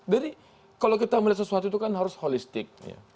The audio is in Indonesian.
jadi kalau kita melihat sesuatu itu kan harus holistik